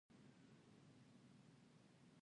د نړۍ تر ټولو اوږد غرنی سلسله "انډیز" ده.